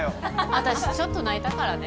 私ちょっと泣いたからね